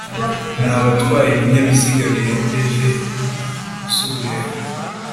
ni Abatwaye Ibinyabiziga birengeje m z’uburebure